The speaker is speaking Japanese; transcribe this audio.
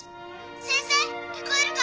先生聞こえるか？